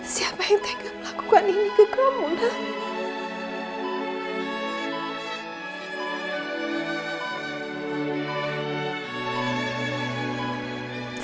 siapa yang tega melakukan ini ke kamu nanda